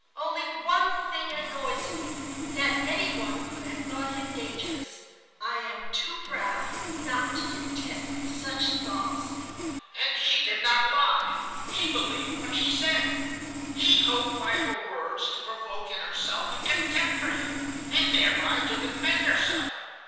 Only one thing annoys me,—that any one could have thought him dangerous. I am too proud not to detest such thoughts.' "And she did not lie. She believed what she said. She hoped by her words to provoke in herself a contempt for him, and thereby to defend herself.